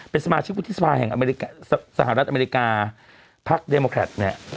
เป็นสมาชิกวุฒิสภาฯห์ศาลัทย์อเมริกาพลักษณ์เดมอกรัฐ